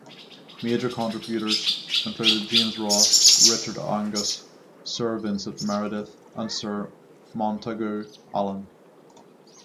Major contributors included James Ross, Richard Angus, Sir Vincent Meredith and Sir Montagu Allan.